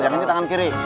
yang ini tangan kiri